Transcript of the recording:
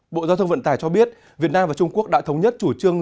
bộ giao thông vận tải cho biết việt nam và trung quốc đã thống nhất chủ trương